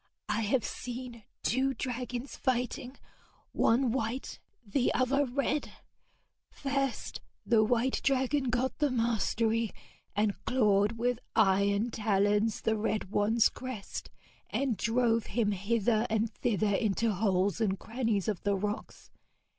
'I have seen two dragons fighting one white, the other red. First the white dragon got the mastery, and clawed with iron talons the red one's crest, and drove him hither and thither into holes and crannies of the rocks.